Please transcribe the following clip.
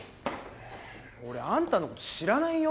俺あんたのこと知らないよ。